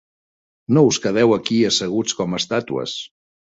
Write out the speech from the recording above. No us quedeu aquí asseguts com estàtues.